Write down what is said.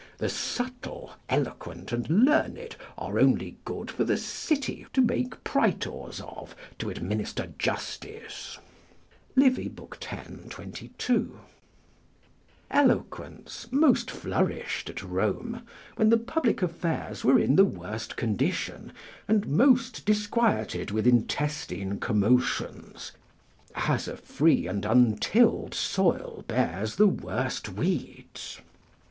The subtle, eloquent, and learned are only good for the city, to make praetors of, to administer justice." [Livy, x. 22.] Eloquence most flourished at Rome when the public affairs were in the worst condition and most disquieted with intestine commotions; as a free and untilled soil bears the worst weeds.